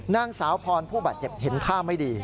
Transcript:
นางสาวพรผู้บาดเจ็บเห็นท่าไม่ดี